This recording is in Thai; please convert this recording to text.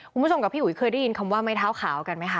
คุณผู้ชมกับพี่อุ๋ยเคยได้ยินคำว่าไม้เท้าขาวกันไหมคะ